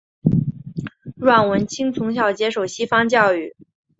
阮文清从小接受西方教育。